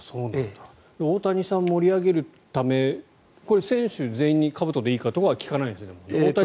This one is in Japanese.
大谷さん、盛り上げるためこれ、選手全員にかぶとでいいかとは聞かないんですね。